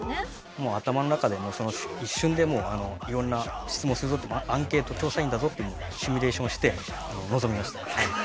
もう頭の中で一瞬で色んな質問するぞってアンケート調査員だぞってシミュレーションして臨みました。